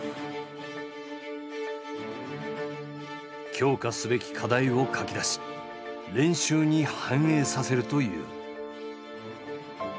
強化すべき課題を書き出し練習に反映させるという。